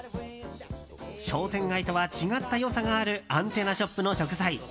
商店街とは違った良さがあるアンテナショップの食材。